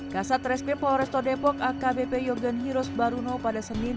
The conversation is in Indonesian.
kasat reskri polres metro depok akbp yogen hiros baruno pada senin